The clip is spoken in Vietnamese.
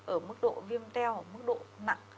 ở mức độ viêm teo mức độ nặng